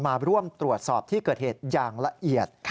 มาร่วมตรวจสอบที่เกิดเหตุอย่างละเอียด